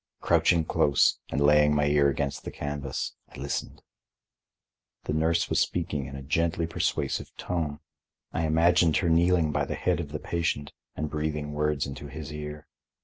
Crouching close, and laying my ear against the canvas, I listened. The nurse was speaking in a gently persuasive tone. I imagined her kneeling by the head of the patient and breathing words into his ear.